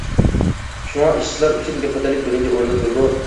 شۇڭا ئىشچىلار ئۈچۈن بىخەتەرلىك بىرىنچى ئورۇندا تۇرىدۇ.